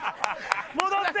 戻って！